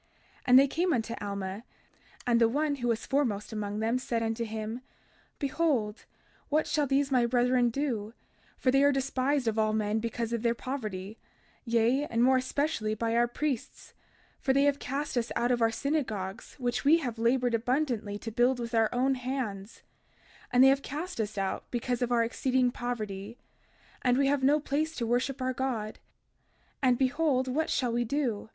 32:5 And they came unto Alma; and the one who was the foremost among them said unto him: Behold, what shall these my brethren do, for they are despised of all men because of their poverty, yea, and more especially by our priests; for they have cast us out of our synagogues which we have labored abundantly to build with our own hands; and they have cast us out because of our exceeding poverty; and we have no place to worship our God; and behold, what shall we do?